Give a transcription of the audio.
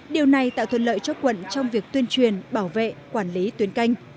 điều này tạo thuận lợi cho quận trong việc tuyên truyền bảo vệ quản lý tuyên kênh